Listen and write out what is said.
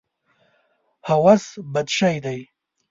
هوس بد شی دی.